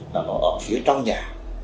là nó ở phía trong nhà